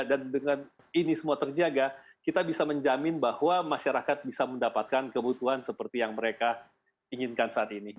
dan dengan ini semua terjaga kita bisa menjamin bahwa masyarakat bisa mendapatkan kebutuhan seperti yang mereka inginkan saat ini